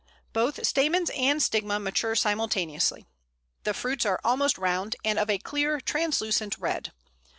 Both stamens and stigma mature simultaneously. The fruits are almost round, and of a clear, translucent red.